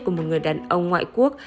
của một người đàn ông ngoại quốc